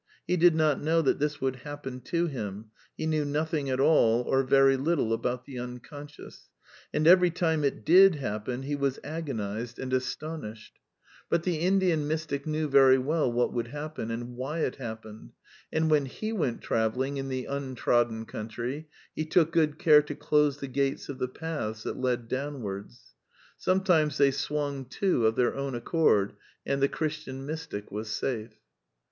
He did not know that this would happen to him (he knew nothing at all or very little about the Unconscious) ; and every time it did happen he was agonized and astonished. But the Indian THE NEW MYSTICISM 271 Mystic knew very well what would happen, and why it happened; and when he went travelling in the untrodden country he took good care to close the gates of the paths that led downwards. Sometimes they swung to of their own accord and the Christian mystic was safe.